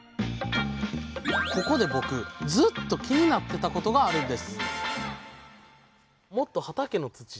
ここで僕ずっと気になってたことがあるんです